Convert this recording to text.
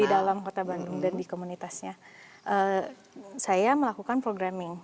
di dalam kota bandung dan di komunitasnya saya melakukan programming